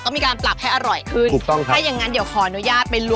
ก็มีการปรับให้อร่อยขึ้นถ้าอย่างนั้นเดี๋ยวขออนุญาตถูกต้องครับ